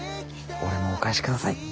俺もお返し下さい。